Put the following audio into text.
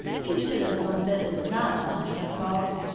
You should have known better than that, Master Fox."